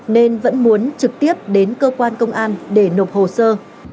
nên vẫn muốn trực tiếp đến cơ quan công an để nộp hồ sơ